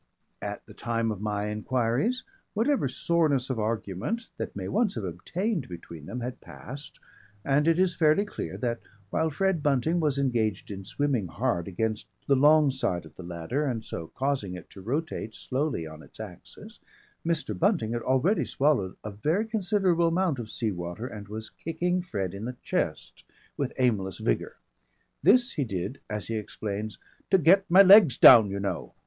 At the time of my enquiries whatever soreness of argument that may once have obtained between them had passed, and it is fairly clear that while Fred Bunting was engaged in swimming hard against the long side of the ladder and so causing it to rotate slowly on its axis, Mr. Bunting had already swallowed a very considerable amount of sea water and was kicking Fred in the chest with aimless vigour. This he did, as he explains, "to get my legs down, you know.